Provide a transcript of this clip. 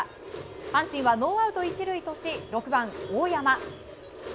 阪神はノーアウト１塁とし６番、大山。